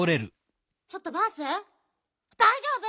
ちょっとバースだいじょうぶ？